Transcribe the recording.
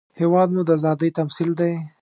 هېواد مو د ازادۍ تمثیل دی